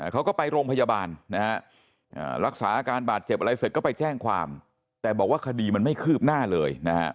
เขาก็ไปโรงพยาบาลนะฮะรักษาอาการบาดเจ็บอะไรเสร็จก็ไปแจ้งความแต่บอกว่าคดีมันไม่คืบหน้าเลยนะฮะ